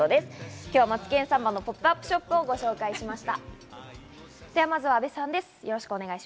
今日は『マツケンサンバ』のポップアップショップをご紹介しました。